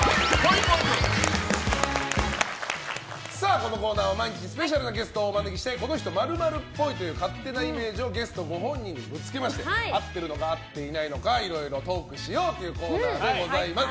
このコーナーは毎日スペシャルなゲストをお招きしてこの人○○っぽいという勝手なイメージをゲストご本人にぶつけまして合ってるのか合っていないのかいろいろトークしようというコーナーでございます。